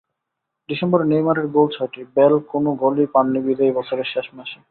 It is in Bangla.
ডিসেম্বরে নেইমারের গোল ছয়টি, বেল কোনো গোলই পাননি বিদায়ী বছরের শেষ মাসে।